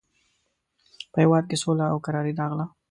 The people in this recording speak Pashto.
په هېواد کې سوله او کراري راغله.